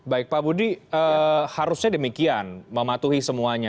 baik pak budi harusnya demikian mematuhi semuanya